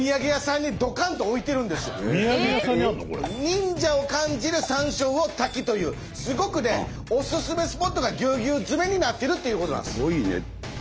「忍者を感じる」「サンショウウオ」「滝」というすごくねおすすめスポットがぎゅうぎゅう詰めになってるっていうことなんです。